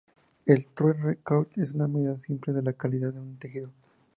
El "Thread count" es una medida simple de la calidad de un tejido.